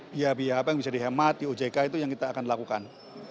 di apbn bisa dihemat di ojk itu yang kita akan lakukan